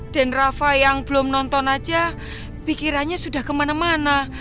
dan rafa yang belum nonton aja pikirannya sudah kemana mana